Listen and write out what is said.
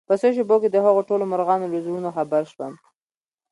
په څو شېبو کې دهغو ټولو مرغانو له زړونو خبر شوم